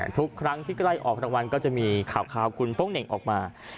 ทุกครั้งที่ใกล้ออกรางวัลก็จะมีข่าวคุณโป๊งเหน่งออกมา